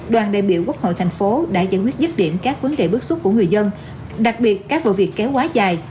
đoàn đại biểu quốc hội thành phố đã giải quyết dứt điểm các vấn đề bức xúc của người dân đặc biệt các vụ việc kéo quá dài